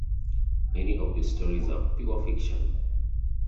Many of the stories are pure fiction.